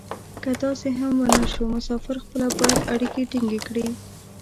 که داسې هم و نه شو مسافر خپله باید اړیکې ټینګې کړي.